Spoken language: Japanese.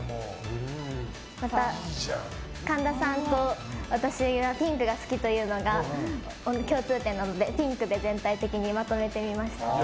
神田さんと私がピンクが好きというのが共通点なのでピンクで全体的にすごい！